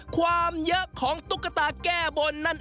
ความเยอะของตุ๊กตาแก้บนนั่น